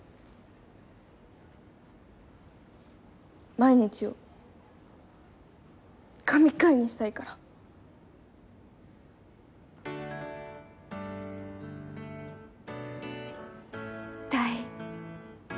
毎日を神回にしたいから。だい。